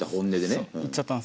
そう言っちゃったんですよ。